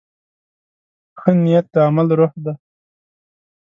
ښه نیت د عمل روح دی.